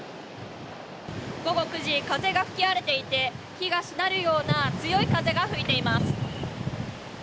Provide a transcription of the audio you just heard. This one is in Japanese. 午後９時、風が吹き荒れていて木がしなるような強い風が吹いています。